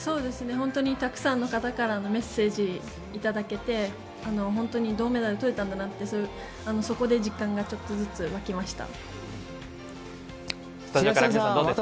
本当にたくさんの方からのメッセージをいただけて本当に銅メダルをとれたんだなってそこで実感がちょっとずつ湧きました。